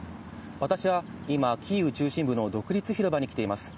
私は今、キーウ中心部の独立広場に来ています。